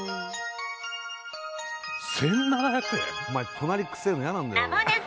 隣くせえの嫌なんだよ